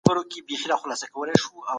څلور وروسته له درو راځي.